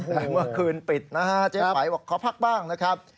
ตั้งแต่ว่าคืนปิดขอพักบ้างนะครับ